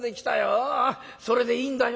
それでいいんだよ」。